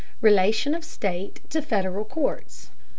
RELATION OF STATE TO FEDERAL COURTS.